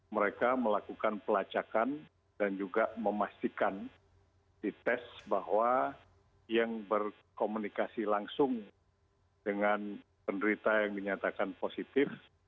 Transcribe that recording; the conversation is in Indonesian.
mereka melakukan pelacakan dan juga memastikan dites bahwa yang berkomunikasi langsung dengan penderita yang dinyatakan positif